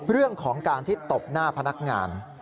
เรื่องของการที่ตบหน้าพนักงาน